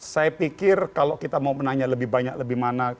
saya pikir kalau kita mau menanya lebih banyak lebih mana